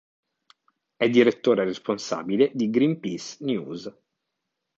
È direttore responsabile di Greenpeace News.